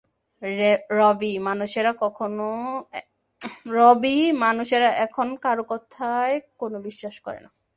রভি, মানুষেরা এখন কারো কথায় কোনো বিশ্বাস করে না।